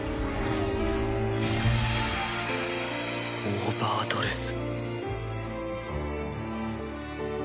オーバードレス。